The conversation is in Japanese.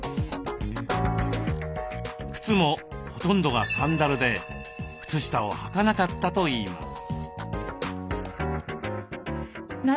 靴もほとんどがサンダルで靴下をはかなかったといいます。